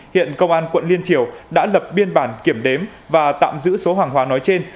hiện công an quận liên triều đã lập biên bản kiểm đếm và tạm giữ số hàng hóa nói trên